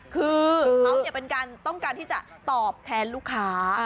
คือเขาเป็นการต้องการที่จะตอบแทนลูกค้า